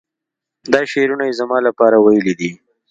دا شعرونه یې زما لپاره ویلي دي.